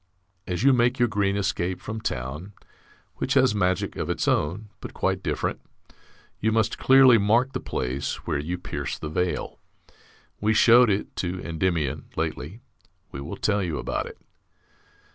As you make your green escape from town (which has magic of its own, but quite different) you must clearly mark the place where you pierce the veil. We showed it to Endymion lately. We will tell you about it.